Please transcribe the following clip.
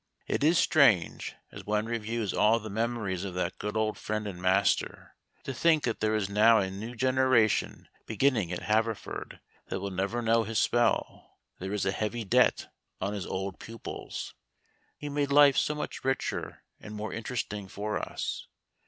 ] It is strange (as one reviews all the memories of that good friend and master) to think that there is now a new generation beginning at Haverford that will never know his spell. There is a heavy debt on his old pupils. He made life so much richer and more interesting for us.